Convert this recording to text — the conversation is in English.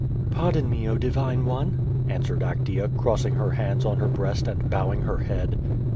^' "Pardon me, O Divine one!" answered Actea, crossing her hands on her breast and bowing her head.